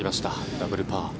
ダブルパー。